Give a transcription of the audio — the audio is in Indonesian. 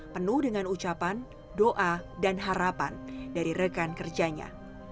penuh dengan ucapan doa dan harapan dari rekan kerjanya